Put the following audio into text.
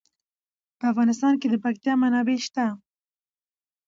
په افغانستان کې د پکتیا منابع شته.